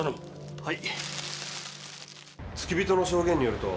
はい。